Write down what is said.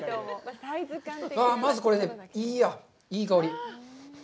まずこれね、いい香り。